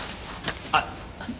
あっ！